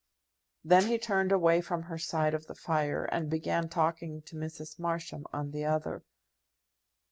Then he turned away from her side of the fire, and began talking to Mrs. Marsham on the other.